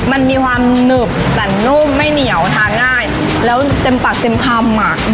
มันมีความหนึบแต่นุ่มไม่เหนียวทานง่ายแล้วเต็มปากเต็มคำอ่ะ